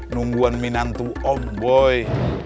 nungguan menantu om boy